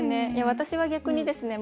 私は逆にですね